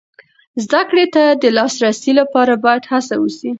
زده کړې ته د لاسرسي لپاره باید هڅه وسي.